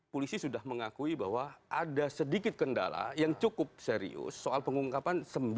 polisi sudah mengakui bahwa ada sedikit kendala yang cukup serius soal pengungkapan